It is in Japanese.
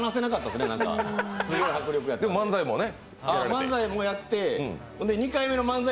で、漫才もやって、２回目の漫才